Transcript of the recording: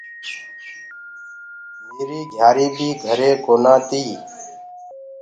ميريٚ گھِياريٚ بيٚ گھري ڪونآ تيٚ